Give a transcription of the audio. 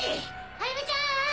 歩美ちゃん！